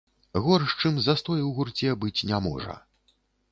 Горш, чым застой у гурце, быць не можа.